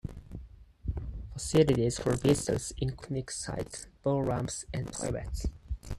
Facilities for visitors include picnic sites, boat ramps and toilets.